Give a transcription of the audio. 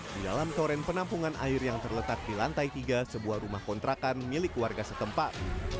di dalam toren penampungan air yang terletak di lantai tiga sebuah rumah kontrakan milik warga setempat